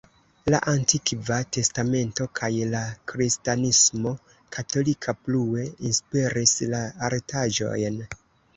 La Antikva Testamento kaj la kristanismo katolika plue inspiris la artaĵojn.